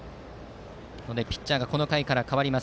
ピッチャーがこの回から代わります。